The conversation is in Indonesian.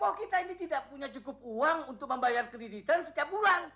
oh kita ini tidak punya cukup uang untuk membayar kreditan setiap bulan